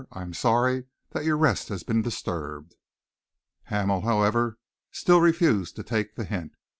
"I am sorry that your rest has been disturbed." Hamel, however, still refused to take the hint.